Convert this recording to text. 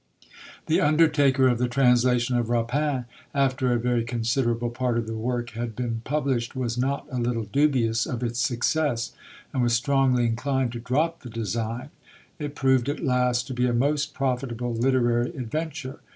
The undertaker of the translation of Rapin, after a very considerable part of the work had been published, was not a little dubious of its success, and was strongly inclined to drop the design. It proved at last to be a most profitable literary adventure."